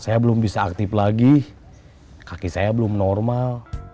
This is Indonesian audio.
saya belum bisa aktif lagi kaki saya belum normal